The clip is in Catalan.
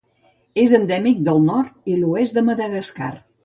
És endèmic del nord i l'oest de Madagascar.